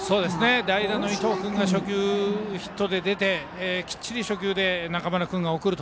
代打の伊藤君が初球、ヒットで出てきっちりと初球で中村君が送る。